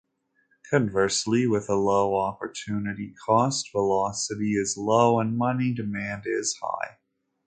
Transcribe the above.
Conversely, with a low opportunity cost velocity is low and money demand is high.